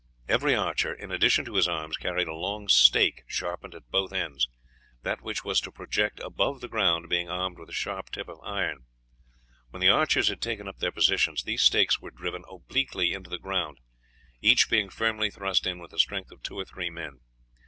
Every archer, in addition to his arms, carried a long stake sharpened at both ends, that which was to project above the ground being armed with a sharp tip of iron. When the archers had taken up their positions these stakes were driven obliquely into the ground, each being firmly thrust in with the strength of two or three men.